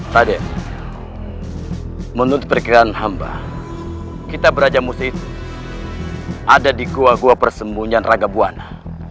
tadek menurut perikiran hamba kita berajam musib ada di gua gua persembunyian raga buana